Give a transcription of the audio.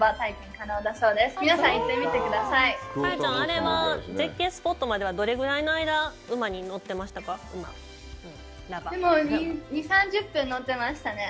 カヤちゃん、あれは絶景スポットまではどれぐらいの間馬に乗ってましたか。